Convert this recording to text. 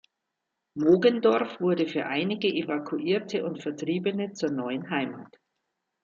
Mogendorf wurde für einige Evakuierte und Vertriebene zur neuen Heimat.